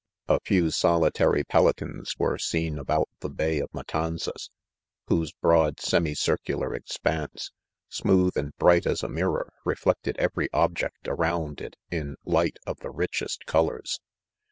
A few % solitary pelicans were seen about the. bay of Matanzas, whose broad ? semi circular expanse, smooth and "bright as a mirror, reflected ev eiy object around it in light of the richest col ors.